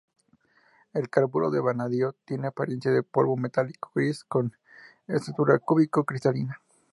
El carburo de vanadio tiene apariencia de polvo metálico gris con estructura cúbico cristalina.